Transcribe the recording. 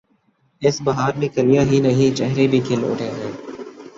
اس بہار میں کلیاں ہی نہیں، چہرے بھی کھل اٹھے ہیں۔